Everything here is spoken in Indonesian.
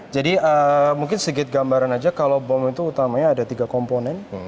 jadi mungkin segit gambaran aja kalau bom itu utamanya ada tiga komponen